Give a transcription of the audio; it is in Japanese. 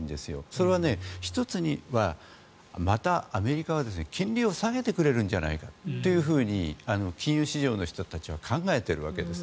それは、１つにはまたアメリカは金利を下げてくれるんじゃないかと金融市場の人たちは考えているわけです。